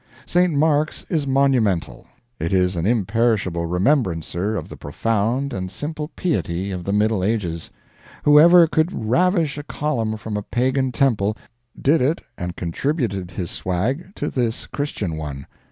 St. Mark's is monumental; it is an imperishable remembrancer of the profound and simple piety of the Middle Ages. Whoever could ravish a column from a pagan temple, did it and contributed his swag to this Christian one.